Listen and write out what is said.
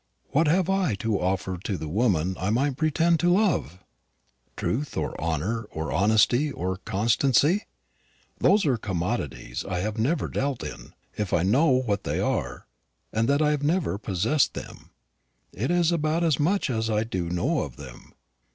What have I to offer to the woman I might pretend to love? Truth, or honour, or honesty, or constancy? Those are commodities I have never dealt in. If I know what they are, and that I have never possessed them, it is about as much as I do know of them.